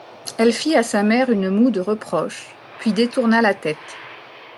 Elle fit à sa mère une moue de reproche, puis détourna la tête.